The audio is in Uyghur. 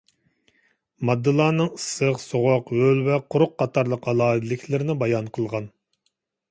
ماددىلارنىڭ ئىسسىق، سوغۇق، ھۆل ۋە قۇرۇق قاتارلىق ئالاھىدىلىكلىرىنى بايان قىلغان.